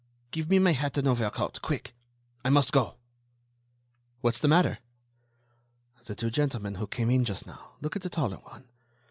Give me my hat and overcoat, quick! I must go." "What's the matter?" "The two gentlemen who came in just now.... Look at the taller one